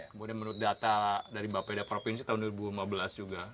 kemudian menurut data dari bapeda provinsi tahun dua ribu lima belas juga